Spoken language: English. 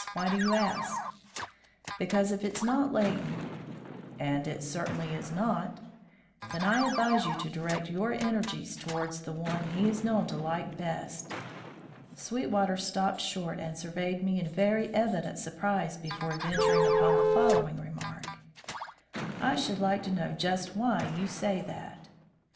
Why do you ask?" "Because if it is not Leighton " "And it certainly is not." "Then I advise you to direct your energies towards the one he is known to like best." Sweetwater stopped short and surveyed me in very evident surprise before venturing upon the following remark: "I should like to know just why you say that?"